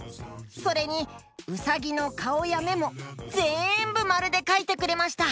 それにうさぎのかおやめもぜんぶまるでかいてくれました。